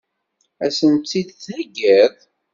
Ad sen-tt-id-theggiḍ?